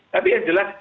tapi yang jelas